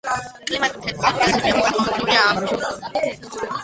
კლიმატი მთელი წელიწადი ცივია, მკვეთრი ყოველდღიური ამპლიტუდით.